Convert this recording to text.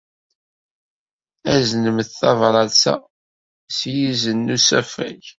Aznemt tabṛat-a s yizen n usafag.